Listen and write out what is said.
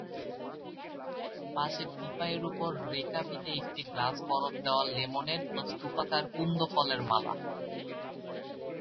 পাশে টিপায়ের উপর রেকাবিতে একটি গ্লাস বরফ-দেওয়া লেমনেড ও স্তূপাকার কুন্দফুলের মালা।